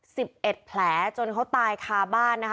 สิบเอ็ดแผลจนเขาตายคาบ้านนะคะ